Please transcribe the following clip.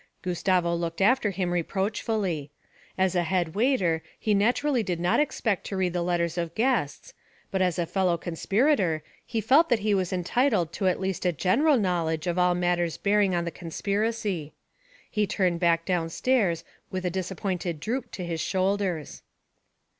Gustavo looked after him reproachfully. As a head waiter, he naturally did not expect to read the letters of guests; but as a fellow conspirator, he felt that he was entitled to at least a general knowledge of all matters bearing on the conspiracy. He turned back downstairs with a disappointed droop to his shoulders.